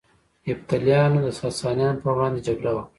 یفتلیانو د ساسانیانو پر وړاندې جګړه وکړه